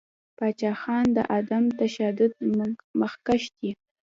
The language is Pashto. پاچاخان د عدم تشدد مخکښ دی.